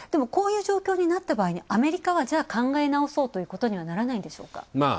こういう状況になった場合、アメリカは考え直そうということにはならないんでしょうか？